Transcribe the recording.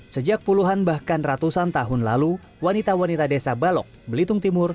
sejak puluhan bahkan ratusan tahun lalu wanita wanita desa balok belitung timur